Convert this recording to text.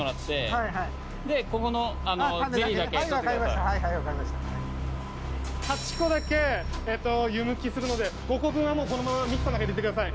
はいはいわかりました８個だけ湯むきするので５個分はもうこのままミキサーの中入れてください